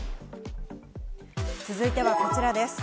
続いてはこちらです。